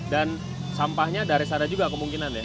dan sampahnya dari sana juga kemungkinan ya